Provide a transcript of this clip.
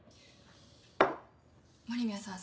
森宮さん